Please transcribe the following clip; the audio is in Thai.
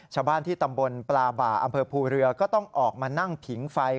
ชาวบ้านที่ตำบลปลาบ่าอำเภอภูเรือก็ต้องออกมานั่งผิงไฟ